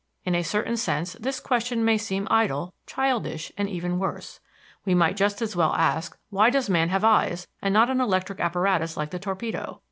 In a certain sense this question may seem idle, childish, and even worse. We might just as well ask why does man have eyes and not an electric apparatus like the torpedo?